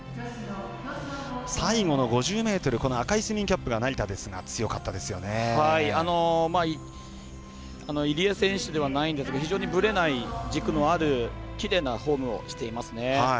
最後の５０ｍ赤いスイミングキャップが入江選手ではないんですが非常にぶれない、軸のあるきれいなフォームをしていますね。